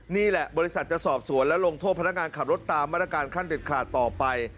นี่แหละบริษัทจะสอบสวนและลงโทษพนักงานขับรถตามมาตรการขั้นเด็ดขาดต่อไป